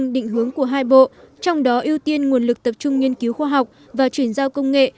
đó ưu tiên nguồn lực tập trung nghiên cứu khoa học và chuyển giao công nghệ